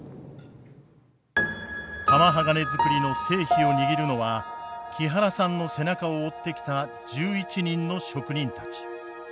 玉鋼づくりの成否を握るのは木原さんの背中を追ってきた１１人の職人たち。